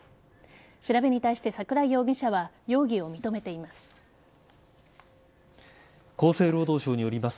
調べに対し桜井容疑者は容疑を認めています。